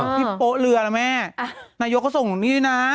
พี่โป๊ะเรือแล้วแม่นายกก็ส่งตรงนี้น่ะ